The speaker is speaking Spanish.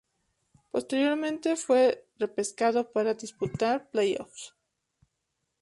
Posteriormente fue repescado para disputar los playoffs.